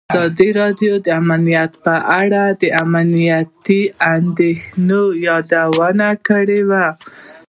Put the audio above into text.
ازادي راډیو د امنیت په اړه د امنیتي اندېښنو یادونه کړې.